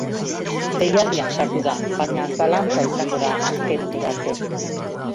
Deialdian sartu da, baina zalantza izango da azken unera arte.